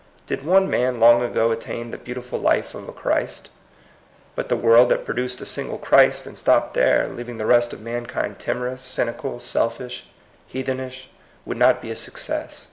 Did one man long ago attain the beauti ful life of a Christ? But the world that produced a single Christ and stopped there, leaving the rest of mankind timorous, cyni cal, selfish, heathenish, would not be a suc cess.